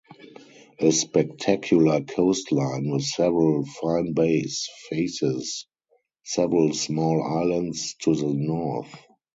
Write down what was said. A spectacular coastline with several fine bays faces several small islands to the north.